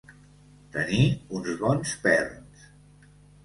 Tenir uns bons perns.